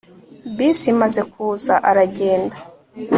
bisi imaze kuza, aragenda